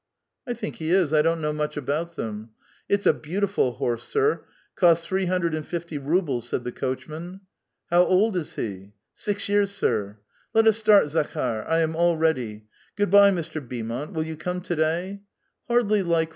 " I think he is ; I don't know much about them." "It's a beautiful horse, sir; cost three hundred and fifty rubles," said the coachman. " How old is he ?"" Six years, sir." "Let us start, Zakhdr; I am all ready. Good by, Mr. Beaumont ; will you come to day